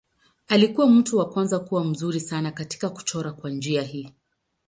Alikuwa mtu wa kwanza kuwa mzuri sana katika kuchora kwa njia hii.